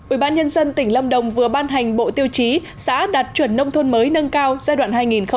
ubnd tỉnh lâm đồng vừa ban hành bộ tiêu chí xã đạt chuẩn nông thôn mới nâng cao giai đoạn hai nghìn một mươi sáu hai nghìn hai mươi